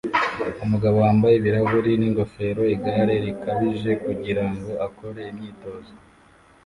Umugabo wambaye ibirahuri n'ingofero "igare rikabije" kugirango akore imyitozo